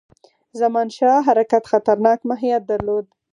زمانشاه حرکت خطرناک ماهیت درلود.